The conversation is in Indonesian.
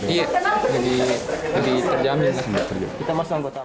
iya jadi terjamin